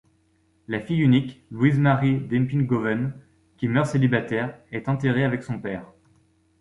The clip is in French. La fille unique, Louise-Marie d'Eppinghoven, qui meurt célibataire, est enterrée avec son père.